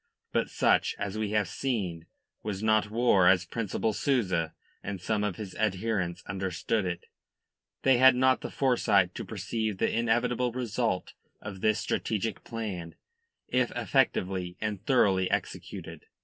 But such, as we have seen, was not war as Principal Souza and some of his adherents understood it. They had not the foresight to perceive the inevitable result of this strategic plan if effectively and thoroughly executed.